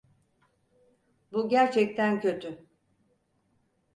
Bu gerçekten kötü.